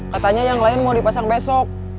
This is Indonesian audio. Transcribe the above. katanya yang lain mau dipasang besok